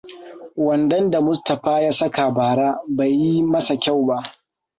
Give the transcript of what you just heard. Wandon da Mustapha ya saka bara bai yi masa kyau ba.